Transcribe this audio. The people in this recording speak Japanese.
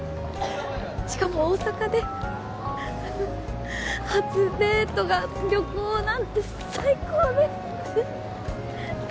しかも大阪で初デートが旅行なんて最高です！